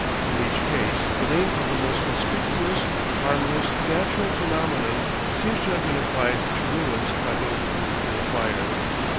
In each case the name of the most conspicuous, harmless, natural phenomenon seems to have been applied to ruins by those of whom he inquired.